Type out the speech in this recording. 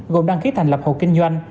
gồm đăng ký thành lập hộ kinh doanh